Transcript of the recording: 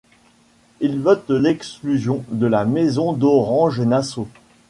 Il vote l'exclusion de la maison d'Orange-Nassau.